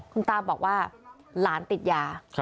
คุณตาบอกว่าหลานติดยา